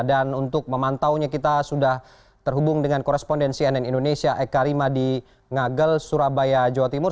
dan untuk memantaunya kita sudah terhubung dengan korespondensi nn indonesia eka rima di ngagel surabaya jawa timur